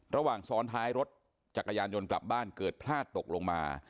ระหว่างซ้อนท้ายรถจักรยานยนต์กลับบ้านเกิดพลาดตกลงมา